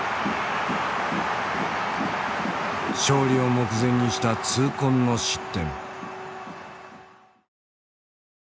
勝利を目前にした痛恨の失点。